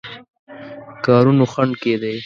کارونو خنډ کېدی.